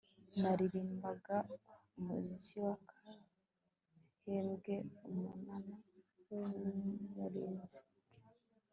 naririmbaga umuzika w akahebwe umunara w umurinzi